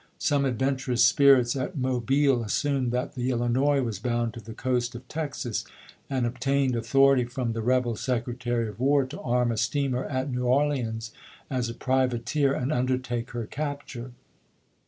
Some adventurous spirits at Mobile assumed that the Illinois was bound to the coast of Texas, and Walker to obtained authoritj^ from the rebel Secretary of War Apriiiiand to arm a steamer at New Orleans as a privateer 12 1861 MS. ■ and undertake her capture.